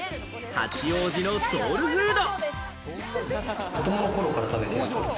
八王子のソウルフード。